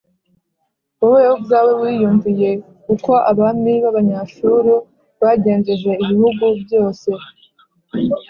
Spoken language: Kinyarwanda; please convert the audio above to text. Wowe ubwawe, wiyumviye uko abami b’Abanyashuru bagenjeje ibihugu byose,